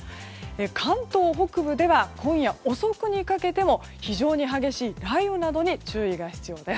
関東北部では今夜遅くにかけても非常に激しい雷雨などに注意が必要です。